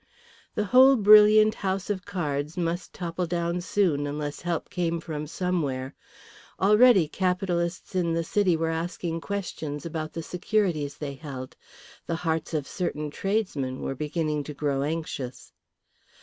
The whole brilliant house of cards must topple down soon unless help came from somewhere. Already capitalists in the city were asking questions about the securities they held, the hearts of certain tradesmen were beginning to grow anxious.